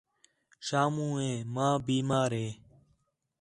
شامو ہے ماں بیمار ہے